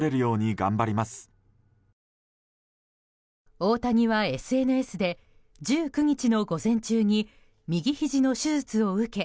大谷はＳＮＳで１９日の午前中に右ひじの手術を受け